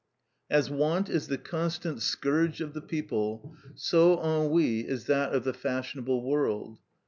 As want is the constant scourge of the people, so ennui is that of the fashionable world.